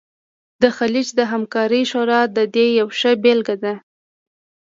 د خلیج د همکارۍ شورا د دې یوه ښه بیلګه ده